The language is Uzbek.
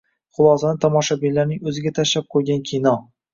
xulosani tomoshabinlarning o‘ziga tashlab qo‘ygan kino